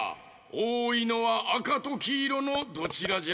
おおいのはあかときいろのどちらじゃ？